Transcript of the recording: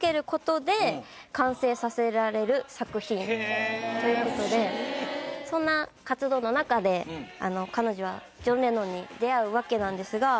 へぇ！ということでそんな活動の中で彼女はジョン・レノンに出会うわけなんですが。